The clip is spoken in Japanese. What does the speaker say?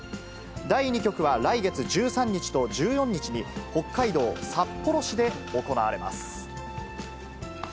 第２局は来月１３日と１４日に、北海道札幌市で行われます。